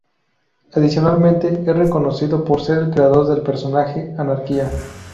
Adicionalmente es reconocido por ser el creador del personaje Anarquía.